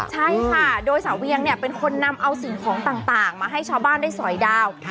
ใช่ค่ะโดยสาวเวียงเนี่ยเป็นคนนำเอาสิ่งของต่างมาให้ชาวบ้านได้สอยดาว